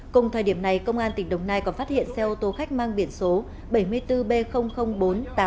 cùng thời điểm này công an tỉnh đồng nai còn phát hiện xe ô tô khách mang biển số bảy mươi bốn b bốn trăm tám mươi tám